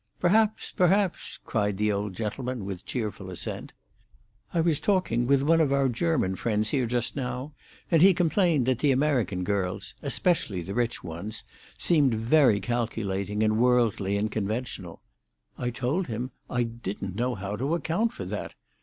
"Perhaps, perhaps," cried the old gentleman, with cheerful assent. "I was talking with one of our German friends here just now, and he complained that the American girls—especially the rich ones—seem very calculating and worldly and conventional. I told him I didn't know how to account for that.